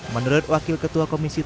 menurut wakil ketua komisi tujuh dprn